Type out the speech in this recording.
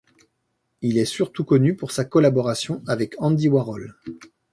Il est surtout connu pour sa collaboration avec Andy Warhol.